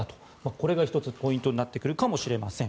これが１つポイントになってくるかもしれません。